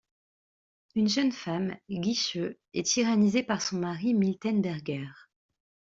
Une jeune femme, Geesche, est tyrannisée par son mari, Miltenberger...